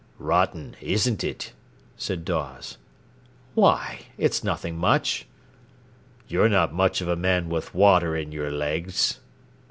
"Rotten, isn't it?" said Dawes. "Why? It's nothing much." "You're not much of a man with water in your legs."